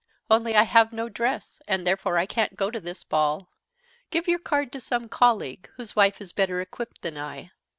Only I have no dress, and therefore I can't go to this ball. Give your card to some colleague whose wife is better equipped than I."